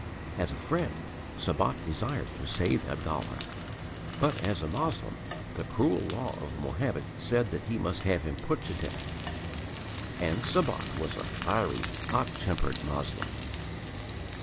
As a friend, Sabat desired to save Abdallah; but as a Moslem, the cruel law of Mohammed said that he must have him put to death. And Sabat was a fiery, hot tempered Moslem.